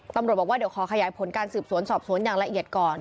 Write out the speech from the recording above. ตำรวจบอกว่าเดี๋ยวขอขยายผลการสืบสวนสอบสวนอย่างละเอียดก่อน